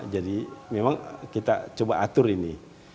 jadi memang kita coba atur ini